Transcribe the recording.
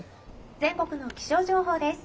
「全国の気象情報です。